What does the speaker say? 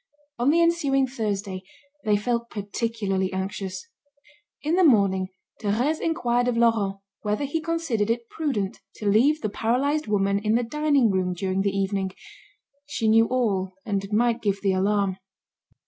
On the ensuing Thursday, they felt particularly anxious. In the morning, Thérèse inquired of Laurent whether he considered it prudent to leave the paralysed woman in the dining room during the evening. She knew all and might give the alarm.